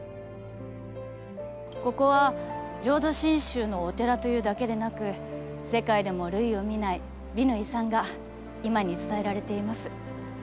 ここは浄土真宗のお寺というだけでなく世界でも類を見ない美の遺産が今に伝えられています。